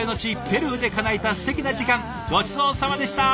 ペルーでかなえたすてきな時間ごちそうさまでした！